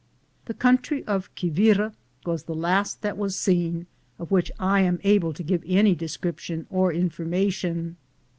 1 This country of Quivira was the last that was seen, of which I am able to give any description or information.